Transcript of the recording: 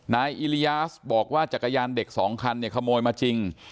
นายอิริยาสบอกว่าจักรยานเด็กสองคันเนี่ยขโมยมาจริง